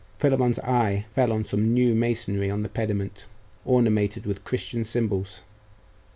Philammon's eye fell on some new masonry in the pediment, ornamented with Christian symbols.